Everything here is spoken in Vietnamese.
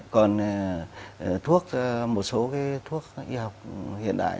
còn thuốc một số thuốc y học hiện đại